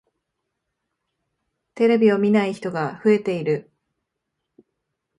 テレビを見ない人が増えている。